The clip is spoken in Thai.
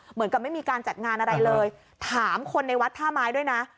เหมือนกับไม่มีการจัดงานอะไรเลยถามคนในวัดท่าไม้ด้วยนะ